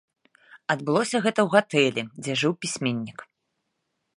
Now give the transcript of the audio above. Адбылося гэта ў гатэлі, дзе жыў пісьменнік.